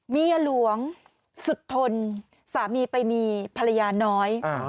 เมียหลวงสุดทนสามีไปมีภรรยาน้อย